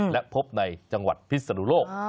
และพบในจังหวัดพิศนุโลก